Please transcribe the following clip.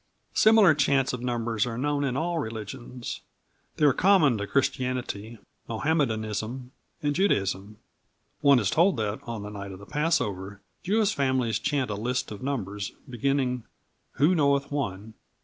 Similar chants of number are known in all religions. They are common to Christianity, Mohammedanism and Judaism. One is told that, on the night of the Passover, Jewish families chant a list of numbers, beginning "Who knoweth One?"